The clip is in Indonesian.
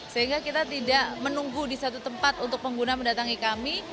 sehingga kita tidak menunggu di satu tempat untuk pengguna mendatangi kami